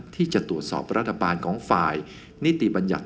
ที่จะตรวจสอบรัฐบาลของฝ่ายนิติบัญญัติ